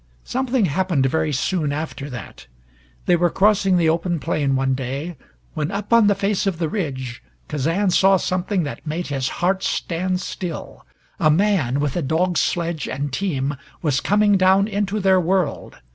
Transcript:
Something happened very soon after that. They were crossing the open plain one day when up on the face of the ridge Kazan saw something that made his heart stand still. A man, with a dog sledge and team, was coming down into their world.